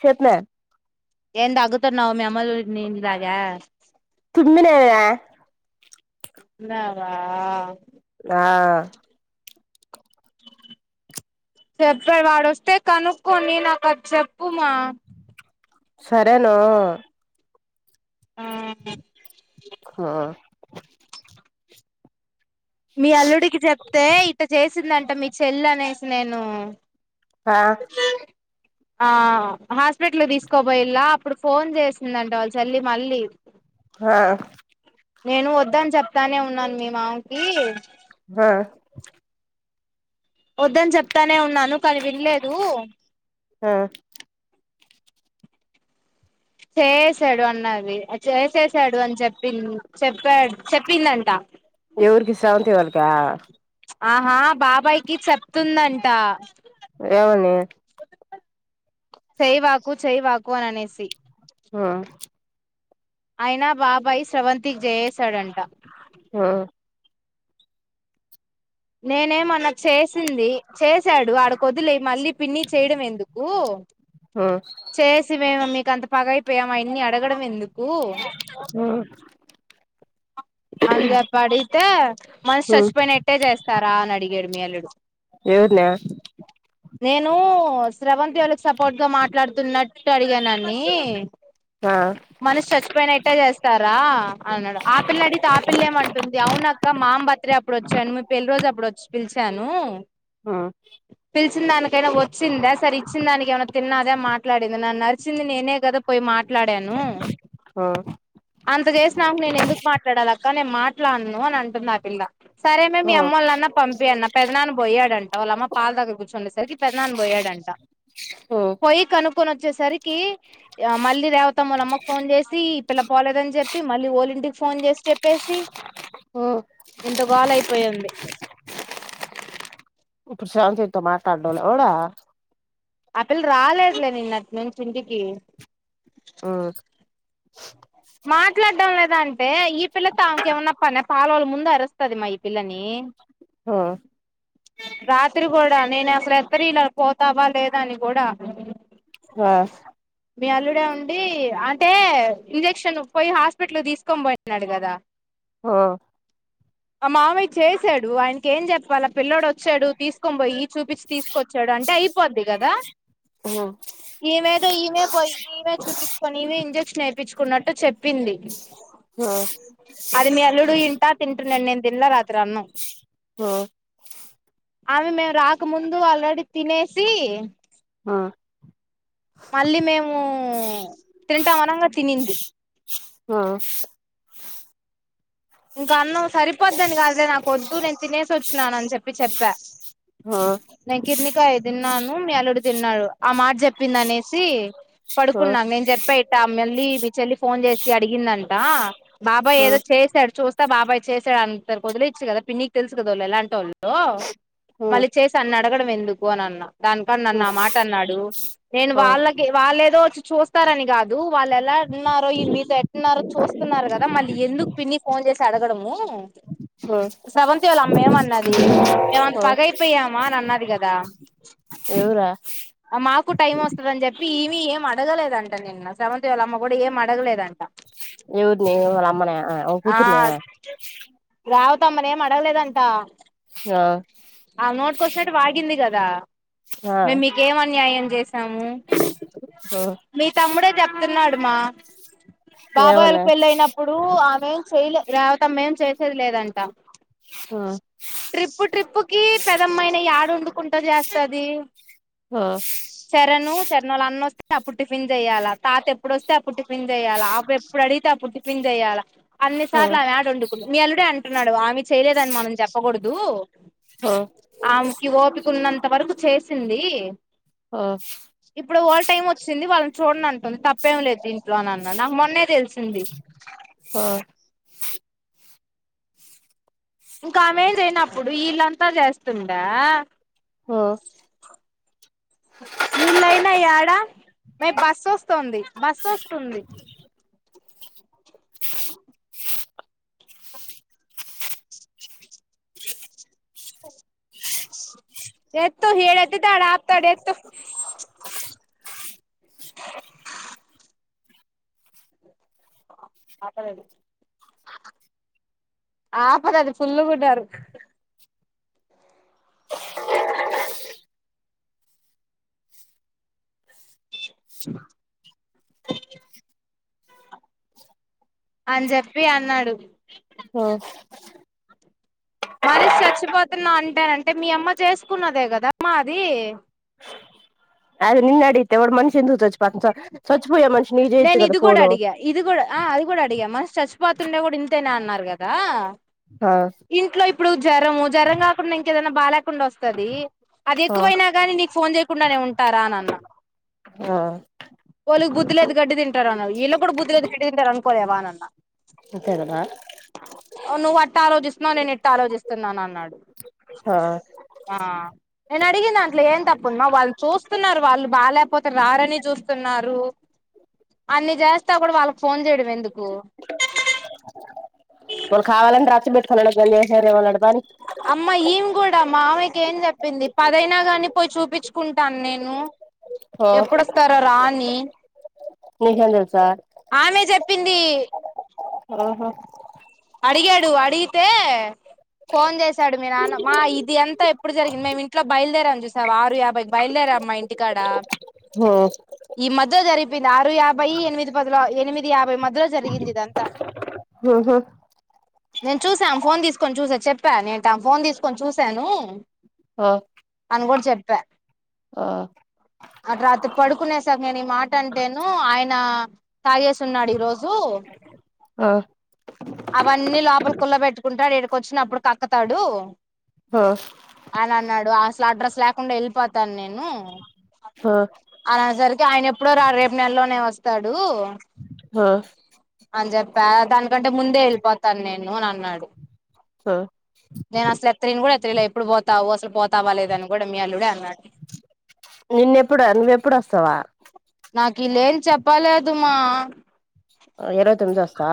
చెత్ న ఏం దగ్గుతున్నావు మీ అమ్మ చూసి నీను తాగా తుమ్మిననా తిన్నావా ఆ చెప్పే వాడొస్తే కనుక్కోని నాకు అది చెప్పుమా సరేనా ఆ ఆ మీ అల్లుడికి చెప్తే ఇట్ట చేసిందంట మీ చెల్ల అనేసి నేను ఆ ఆ హాస్పిటల్ తీసుకోబోయిల్ల అప్పుడు ఫోన్ చేసిందంట వాళ్ళ చెల్లి మళ్ళీ హా నేను వద్దని చెప్తానే ఉన్నాను మీ మామకి ఆ వద్దని చెప్తానే ఉన్నాను కానీ వినలేదు ఆ చేసాడు అన్నది చేసేసాడు అని చెప్పింది చెప్పాడు చెప్పిందంట ఎవరికి స్రవంతి వాళ్ళకా ఆహా బాబాయి కి చెప్తుందంట ఏమని చేయబాకు చేయబాకు అని అనేసి ఉమ్ అయినా బాబాయి శ్రవంతికి చేశాడంట ఉమ్ నేనేమన్న చేసింది చేశాడు ఆడకొదిలేయి మళ్ళీ పిన్నికి చేయడం ఎందుకు ఉమ్ చేసి మేము మీకు అంత పగైపోయామా అయన్ని అడగడం ఎందుకు ఉమ్ అని చెప్పి అడిగితే మనిషి ఉమ్ చచ్చిపోయినట్టే చేస్తారా అని అడిగాడు మీ అల్లుడు ఎవరు మా నేను శ్రవంతి వాళ్ళకి సపోర్ట్గా మాట్లాడుతున్నట్టు అడిగానని ఆ మనిషి చచ్చిపోయినట్టే చేస్తారా అన్నాడు ఆ పిల్ల అడి ఆపిల్లేమంటుంది అవున అక్క మామ బర్త్డే అప్పుడు వచ్చాను మీ పెళ్లి రోజు అప్పుడోచ్చి పిలిచాను ఉమ్ పిలిచిన దానికైనా వచ్చిందా సరి ఇచ్చిన దానికి ఏమైన్న తిన్నదా మాట్లాడిందా నన్ను అరిచింది నేనే కదా పోయి మాట్లా మాట్లాడాను ఉమ్ అంత చేసిన నాకు నేను ఎందుకు మాట్లాడాల నేను మాట్లాడను అని అంటుంది ఆ పిల్ల సరే మే మీ ఉమ్ అమ్మోళ్ళనన్న పంపియి అన్న పెదనాన్న పోయాడంట వాళ్ళమ్మ పాలు తాగి కూర్చుండేసరికి పెద్దనాన్న పోయాడు డంటా ఉమ్ పోయి కను కొని వచ్చేసరికి మళ్ళీ రేవతి వాళ్ళ అమ్మకు ఫోన్ చేసి ఈ పిల్ల పోలేదని చెప్పి మళ్ళీ ఓలీ ఇంటికి ఫోన్ చేసి చెప్ చెప్పేసి ఉమ్ ఇంత గోలయిపోయింది ఇప్పుడు స్రవంతితో మాట్లాడడం [unintelligible] ఆ పిల్ల రాలేదులే నిన్నటి నుంచి ఇంటికి ఆ మాట్లాడడం లేదంటే ఈ పిల్లతో ఆమెకేమన్న పనా పాలొల్ల ముందు అరుస్తుది మా ఈ పిల్లని ఆ రాత్రి కూడా నేను అసలు నిద్ర ఇలా పోతావా లేదా అని కూడా ఆ మీ అల్లుడే ఉండి అంటే ఇంజెక్షన్ పోయి హాస్పిటల్ తీసుకొని పోయినాడు కదా ఆ ఆ మావయ్య చేశాడు ఆయనకి ఏం చెప్పాలి పిల్ల ఒచ్చాడు తీసుకొని పోయి చూపిచ్చి తీసుకొచ్చాడు అంటే అయిపోద్ది కదా ఉమ్ ఈమేదో ఈమే పోయి ఇమె చూపించుకుని ఈమే ఇంజెట్ జెక్షన్ ఏపించుకున్నట్టు చెప్పింది ఉమ్ అది మీ అల్లుడు ఇంటా తింట టున్నడు నేను తిన్లే రాత్రి అన్నం ఉమ్ ఉమ్ అవి మేము రాకముందు ఆల్రెడీ తినేసి అ మళ్ళీ మేము తింటాం అనంగా తినింది ఆ ఇంకా అన్నం సరిపోద్దని కాదులే నాకు వద్దు నేను తినేసి వచ్చున్నాను అని చెప్పి చెప్పా ఉమ్ ఉమ్ ఉమ్ ఉమ్ నే కిర్నికాయ దిన్నాను మీ అల్లుడి తిన్నాడు ఆ మాట చెప్పింది అనేసి పడుకున్నాను నేను చెప్పా ఇట్ట మళ్ళీ మీ చెల్లి ఫోన్ చేసి అడిగిందంటా బాబాయ్ ఏదో ఉమ్ చేసాడు చూస్తా బాబాయ్ చేసాడు అంటరు వదిలేయచ్చు కదా పిన్నికి తెలుసు కదా వాళ్ళు ఎలాంటోల్లో మళ్ళీ చేసి అన్నడగడం ఎందుకు అని అన్నా దానికన్నా ఉమ్ నన్ను ఆ మాట అన్నాడు నేను ఉమ్ వాళ్ళకి వాళ్ళేదో వచ్చి చూస్తారని కాదు వాళ్ళు ఎలా అన్నారో ఈ మీతో ఎట్న్నారో చూస్తున్నారు కదా మళ్ళీ ఎందుకు పిన్ని ఫోన్ చేసి అడగడము స్రవంతి వాళ్ళ అమ్మ ఏం అన్నది మేమంత ఉమ్ పగయిపోయామా అని అన్నది కదా ఎవరు మాకు టైం వస్తదని చెప్పి ఈ ప్పి ఏం అడగలేదంట నిన్న స్రవంతి వాళ్ళ అమ్మ కూడా ఏం అడగలేదంట ఎవర్నీ వాళ్ళ అమ్మనా ఆ వాళ్ళ కూతుర్నా ఆ రేవతమ్మనేం ఏం అడగలేదంటా ఆ వాగింది కదా ఆ మేము మీకేం అన్యాయం చేసాము ఆ మీ తమ్ముడే చెప్తున్నాడు మా బాబాయోళ్ళ ఏమన్నా పెళ్ళైనప్పుడు ఏం చేయలే రేవతమ్మేం చేసేది లేదంట ఆ ట్రిప్పు ట్రిప్పు కి పెదమ్మయిన ఏడ వండుకుంట చేస్తది ఆ చరణు చరణోళ్ళ అన్న వొస్ తే అప్పుడు టిఫిన్ చెయ్యాలా తాత ఎప్పుడొస్తే అప్పుడు టిఫిన్ చెయ్యాలా ఆ పిల్ల ఎప్పుడు అడిగితే అప్పుడు టిఫిన్ చెయ్యాలా అన్ని ఆ సార్లు ఆమె ఏడ వండుకు నీ అల్లుడే అంటున్నాడు ఆమె చేయలేదని మనం చెప్పకూడదు ఆ ఆమెకి ఓపికున్నంత వరకు చేసింది ఆ ఇప్పుడు వాళ్ళ టైం వచ్చింది వాళ్ళని చూడనంటుంది తప్పేం లేదు దిన్ ట్లో అని అన్న నాకు మొన్నే తెలిసింది ఆ ఇంకా ఆమేం చేయనప్పుడు వీళ్ళంతా చేస్తాండా ఆ ఈళ్ళైన యాడ మే బస్సో స్తుంది బస్సోస్తుంది ఎత్తు ఈడ ఎత్తితే ఆడ ఆప్తాడు ఎత్తు ఆపలేదు ఆపరాది ఫుల్ గుండారు అని జెప్పి అన్నాడు అ మనిషి చచ్చిపోతున్నా అంటరాంటె మీ అమ్మ చేసుకున్నదే కదమ్మా అది అదే నిన్ను అడిగితే కూడా మనిషి ఎందుకు చచ్చిపోతుంది స-సచ్ నేను ఇది కూడా అడిగా ఇది కూడా ఆ అది కూడా అడిగా మనిషి సచ్ పోతుంటే కూడా ఇంతేన అన్నారు కదా ఆ ఇంట్లో ఇప్పుడు జ్వరము జ్వరం కాకుండా ఇంకేదనా బాలేక కుండా వస్తది అది ఆ ఎక్కువయినా గానీ నీకు ఫోన్ చేయకుండానే ఉంటారా అని అన్నా ఆ వాళ్ళకి బుద్ధి లేద్ గడ్డి తింటారు అన్నావు వీళ్ళ కూడా బుద్ది లేదు గడ్డి తింటారు అనుకోలేవా అనన్నా అంతే కదా నువ్వు అట్ట ఆలోచిస్తున్నావు నేను ఇట్ట ఆలోచిస్తున్నాను అన్నాడు ఆ నేను అడిగిందాంట్లో ఏం తప్పు ఉంది మా వాళ్ళు చూస్తున్నారు వాళ్ళు బాలేకపోతే రారని చూస్తున్నారు అన్ని చేస్తా కూడా వాళ్ళకు ఫోన్ చేయడం ఎందుకు వాళ్ళు కావాలని రచ్చ పెట్టుకొని [unintelligible] అమ్మ ఈం కూడా మావయ్యకి ఏం చెప్పింది పదైనా గాని పోయి చూపించుకుంటాను నేను ఆ ఎప్పుడొస్తారో రాని నీకెలా తెల్సు చెప్పింది ఆహ అడిగాడు అడిగితే ఫోన్ చేశాడు మీ నాన్న మా ఇది అంతా ఎప్పుడు జరిగింది మేము ఇంట్లో బయలుదేరాం చూసావా ఆరు యాభైకి బయలుదే రాం మా ఇంటికాడ ఆ ఈ మధ్యలో జరి గింది ఆరు యాభై ఎనిమిది పదిలో ఎనిమిది యాభై మధ్యలో జరిగింది ఇదంతా ఊహూ నేను చూసాను ఫోన్ తీసుకొని చూసాను చెప్పా నేను ఫోన్ తీసుకొని చూశాను ఆ నే కూడ్ చెప్పా ఆ అర్ధరాత్రి పడుకునేస నేను ఈ మాట అంటేను ఆయన తాగేసి ఉన్నాడు ఈ రోజు అ అవన్నీ లోపల కుళ్ల పెట్టుకుంటాడ్, ఇడికి వచ్చినప్పుడు కక్కుతాడు హా [unintelligible] అన్నాడు అసల్ అడ్రస్ ల్యకుండా వెళ్ళిపోతాను నేను అ అని అనేసరికి ఆయన ఎప్పుడో రాడ్ రేపు నెలలోనే వస్తాడు హా ప్యా దానికంటే ముందే వెళ్ళిపోతాను నేను అని అన్నాడు అ త్రిన్ కూడా హెచ్చరిలే ఎప్పుడు పోతావు అసలు పోతావా లేదని కూడా మీ అల్లుడే అన్నాడు నిన్నెప్పుడు నువ్వు ఎప్పుడు వస్తావా నాకు కిల్లేంది చెప్పలేదు మా ఇరవై తొమ్మిది వస్తా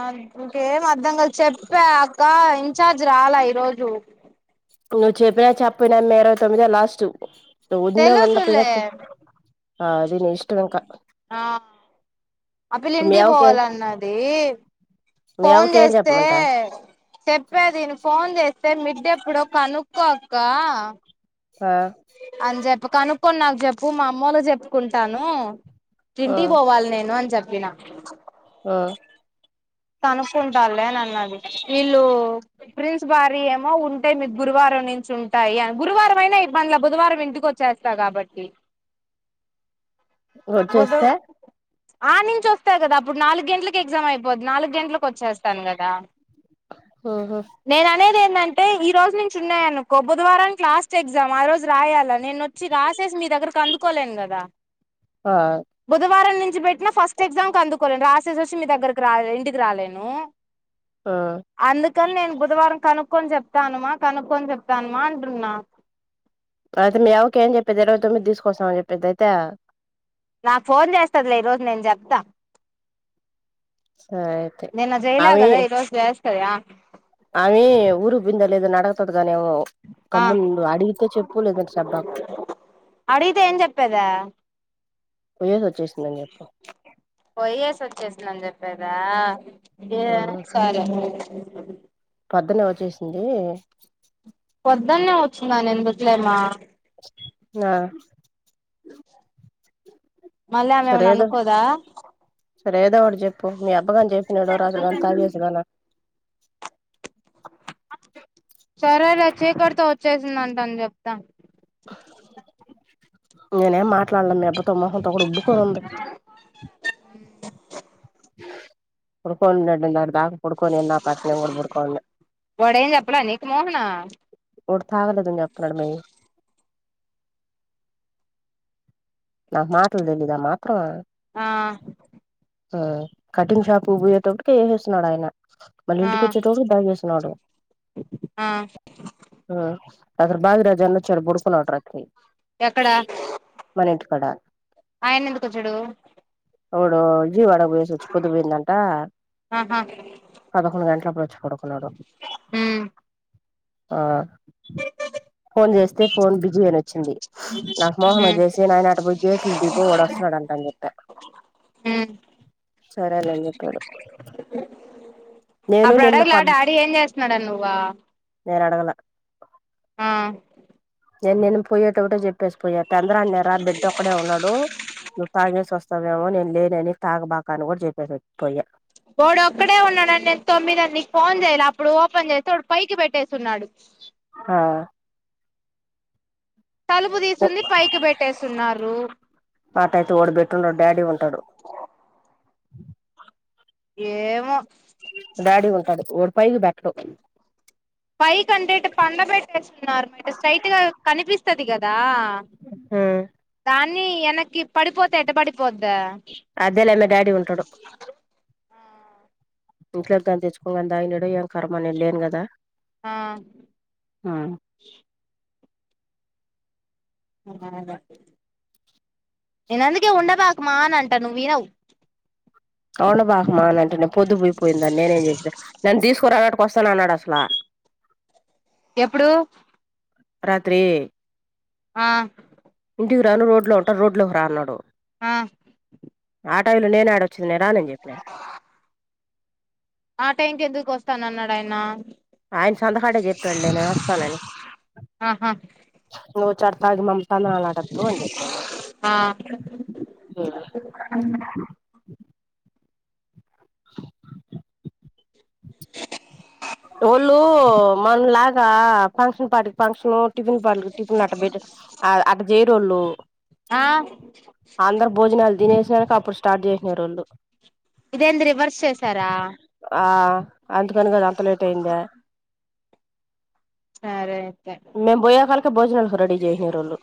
ఆ ఇంకేం అర్థం కాలే చెప్పే అక్క ఇన్ఛార్జ్ రాలా ఈరోజు నువ్వు చెప్పినా చెప్పకపోయినా ఇరవై తొమ్మిదో లాస్ట్ నువ్వు ఉన్న ఉండకపోయినా తెలుసులే అది నీ ఇష్టం ఇంకా ఆ ఆ పిల్ల ఇప్పుడు మీ ఇంటి కి అవ్వకేం పోవాలన్నది మీ ఫోన్ అవ్వకేం చేస్తే చెప్పమంట చెప్పేదిను ఫోన్ చేస్తే మిడ్ ఎప్పుడు కనుక్కో అక్క అ కనుక్కొన్ నాకు చెప్పు మా అమ్మోళ్ల చెప్పుకుంటాను ఆ తింటీ పోవాలి నేను అని చెప్ పోయిన ఆ కనుక్కుంటాళ్లే అన్నది వీళ్ళు ప్రిన్స్ భార్య ఏమో ఉంటే మీక్ గురువారం నుంచి ఉంటాయా గురువారం అయినా ఇబ్బందిలే బుధవారం ఇంటికి వచ్చేస్తా కాబట్టి వచ్చేస్తే అడ నించివస్తాయి కదా అప్పుడు నాలుగు గంటలకి ఎగ్జామ్ అయిపోది నాలుగు గంటలకు వచ్చేస్తాను కదా ఆ నేను అనేదే న్నఅంటే ఈ రోజు నుంచి ఉన్నాయి అనుకో బుధవారానికి లాస్ట్ ఎగ్జామ్ ఆ రోజు రాయాలా నేను వచ్చి రాసేసి మీ దగ్గరకు అందుకోలేన్ కదా ఆ బుధవారం నుంచి పెట్టినా ఫస్ట్ ఎగ్జామ్ అందుకోలేను రాసేసి మీ దగ్గరకి రాలే ఇంటి రాలేను ఆ కాని నేను బుధవారం కనుక్కొని చెప్తాను మా కనుక్కొని చెప్తాను మా అంటున్నా అయితే మీ అవ్వకి ఏం చెప్పేది ఇరవై తొమ్మిది తీసుకొస్తాను అని చెప్పేద అయితే నాకు ఫోన్ చేస్తదిలే ఈరోజు నేను చెప్తా సరే అయితే నిన్న జేయలే దా ఈరోజు జేస్తది ఆ ఆమీ ఊరూ పోయిందా లేదా అని అడుగుతాది గానేమో ఆ గమ్ము నుండు అడిగితే చెప్పు లేదంటే చెబ్బకు అడిగితే ఏం చెప్పేదా పోయేసి వచ్చేసిందని చెప్పు పోయేససోచ్చేసిన అని చెప్ కదా ఏం సర్ పొద్దున్నే వచ్చేసింది పొద్దున్నే వచ్చిందని ఎందుకులే మా నా మళ్ళీ ఆమె సరే ఏమన్నా ఏదో అనుకోదా సరే ఏదో ఒకటి చెప్పు మీ అబ్బాగాని చెప్పినాడు రాత్రికి కాఫీ చేసుకురానా సరేలే చికటితో వచ్చేసిందంటా అని చెప్తా నేనేం మాట్లాడలే మీ అబ్బతో మొహంతో కుడ ఉబ్బుకొని ఉంది క్రికోల్డ్డి గారు బాకా పుడుకొని ఉన్న అట్నే నిను కూడా పుడుకోని ఉన్న వాడేం చెప్పలే నీకు మోహన వాడు తాగలేదు అని చెప్తున్నాడమై నాక్ మాట్లల్ తెలియదా ఆ మాత్రం ఆ ఆ కటింగ్ షాప్ కి బోయేటప్పటికి ఏసేసినాడు అయన మళ్ళీ ఆ ఇంటికి వచ్చేటోడు బాగ ఎసినాడు ఆ ఆ రాత్రి బాగి రాజ్ అన్న వచ్చడు బోడుకునాడు రాత్రి కి ఎక్కడ కడా ఆయన్న ఎందుకోచ్చడు ఇప్పుడు జీవాడకు పోసొచ్చు పొద్దు పోయిందంట ఆహా పదకొండు గంటలపుడ్ చి పడుకున్నాడు మ్ ఆ ఫోన్ చేస్తే ఫోన్ బిజీ అని వచ్చింది నాకు మోహన ఉమ్ జెసి నాన పోయి గేట్లు తీయిపో వాడొస్తున్నడంటా అని చెప్ప ఉమ్ సరేలే అని చెప్పాడు నేను అప్పుడు నిన్న ప అడగలె డాడీ ఏం చేస్తున్నాడాని నువ్వా నెన్ అడగాలే ఆ నేను నేను పోయేటపుడే చెప్పేసి పోయా తొందరన్నా ర బిడ్డ ఒక్కడే ఉన్నాడు నువ్వు తాగేస్ సస్తవేమో నేను లేనని తాగబాకని కూడా చెప్పేసి పోయా వాడు ఒక్కడే ఉన్నాడని నేను తొమ్మిదికు ఫోన్ చేయాల అప్పుడు ఓపెన్ చేస్తే వాడు పైకి పెట్టేసున్నాడు ఆ తలుపు తీసుంది పైకి పెట్టేస్తున్నారు అట అయితే ఓడిబెట్టిండు డాడీ ఉంటాడు ఏమో డాడీ ఉంటాడు ఓడు పైకి బెట్టడు ఫైకంటే ఎట్ పండబెట్టేస్తున్నారు మే స్ట్రైట్ గా కనిపిస్తది కదా దాన్ని ఎనక్కి పడిపోతే ఎట్టపడిపోద్దా అదేలే మె డాడీ ఉంటాడు ఇంట్లో కాని తెచ్చుకోనీ గని తగినడో ఏం కర్మా నేను లేను కదా ఆ నేను అందుకే ఉండా బాక్ మాన్ అంటాను నువ్ వినవు అవును బాగామ అంటేనే పొద్దు పోయిపోయిందాన్ని నేనేం చేసా నన్ను తీసుకురా వస్తానన్నాడు అట్లా ఎప్పుడు రాత్రి ఆ ఇంటికి రాను రోడ్ లో ఉంటా రోడ్ లోకి రా అన్నాడు ఆ ఆ టైమ్ లో నేను ఆడ వచ్చింది నేను రానని చెప్పినా ఆ టైం కే ఎందుకు వస్తానన్నాడు ఆయన ఆయన సందకాటే చెప్పాడులే నేను వస్తానని ఆహా నువ్వు చ కాది మమ తాను అలాడద్దు అని చెప్పినాను ఉ ఒళ్ళు మన లాగా ఫంక్షన్ పాటికి ఫంక్షన్ ఓ టిఫిన్ పల్లు టిఫిన్ అట్ట బెట్ అట్ట చేయరోళ్ళు ఆ ఆంధ్ర భోజనాలు తినేసినాక అప్పుడు స్టార్ట్ చేసిన రోళ్లు ఇదేంది రివర్స్ చేసారా ఆ అందుకని కదా అంతలో పెందా సరే అయితే మేము బోయేకాలకి భోజనాలు రెడీ చేసినారు వాళ్ళు